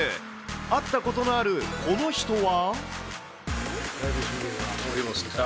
会ったことのあるこの人は。